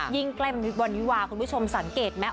ยิ่งแกล้งวันวิวาคุณผู้ชมสังเกตไหม